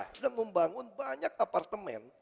kita memang membangun banyak apartemen